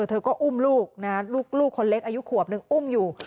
เธอก็อุ้มลูกนะลูกคนเล็กอายุขวบนึงอุ้มอยู่